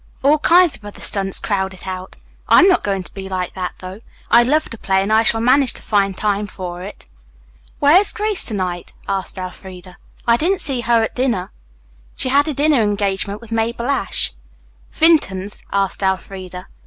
"All kinds of other stunts crowd it out. I'm not going to be like that, though. I love to play and I shall manage to find time for it." "Where is Grace to night?" asked Elfreda. "I didn't see her at dinner." "She had a dinner engagement with Mabel Ashe." "Vinton's?" asked Elfreda.